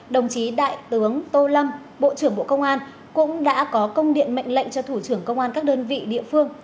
đồng chí đại tướng tô lâm bộ trưởng bộ công an cũng đã có công điện mệnh lệnh cho thủ trưởng công an các đơn vị địa phương